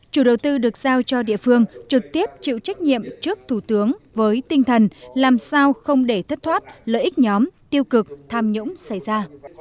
chủ đầu tư được giao cho địa phương trực tiếp chịu trách nhiệm trước thủ tướng với tinh thần làm sao không để thất thoát lợi ích nhóm tiêu cực tham nhũng xảy ra